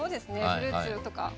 フルーツとか。